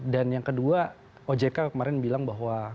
dan yang kedua ojk kemarin bilang bahwa